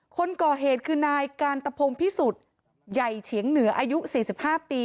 คนก่อเหตุคือนายการตะพงพิสุทธิ์ใหญ่เฉียงเหนืออายุ๔๕ปี